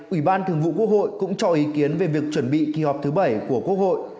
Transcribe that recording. ủy ban thường vụ quốc hội cũng cho ý kiến về việc chuẩn bị kỳ họp thứ bảy của quốc hội